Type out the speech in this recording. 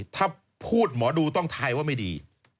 ถ้าพูดหมอดูต้องทายว่าไม่ดี